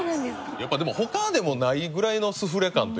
やっぱでも他でもないぐらいのスフレ感というか。